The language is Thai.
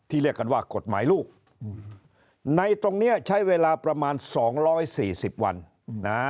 ที่เรียกกันว่ากฎหมายลูกในตรงนี้ใช้เวลาประมาณ๒๔๐วัน